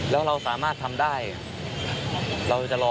แล้วเราสามารถทำได้เราจะรอ